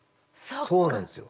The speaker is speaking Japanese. そうなんですよ。